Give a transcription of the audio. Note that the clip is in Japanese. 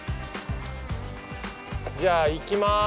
じゃあいきます。